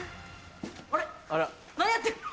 ・あれ何やってんの？